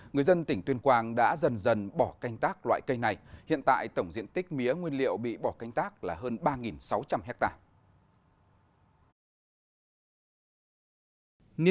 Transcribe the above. người dân tỉnh tuyên quang đã dần dần bỏ canh tác loại cây này hiện tại tổng diện tích mía nguyên liệu bị bỏ canh tác là hơn ba sáu trăm linh hectare